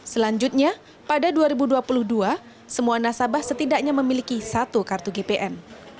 selanjutnya pada dua ribu dua puluh dua semua nasabah setidaknya memiliki satu kartu gpn